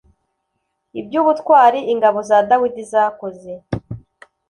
Iby ubutwari ingabo za Dawidi zakoze